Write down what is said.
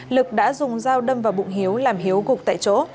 lực đã dùng dao đâm vào bụng hiếu làm hiếu gục tại chỗ